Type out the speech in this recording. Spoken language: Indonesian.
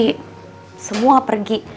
semua yang sama nenek pergi